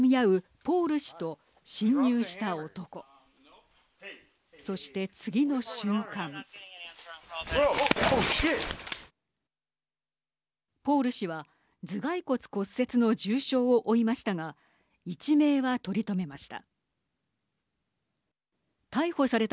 ポール氏は頭蓋骨骨折の重傷を負いましたが一命は取り留めました。